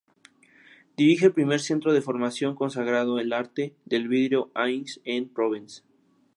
Dirige el primer centro de formación consagrado al arte del vidrio en Aix-en-Provence.